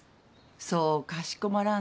そうかしこまらんでいい。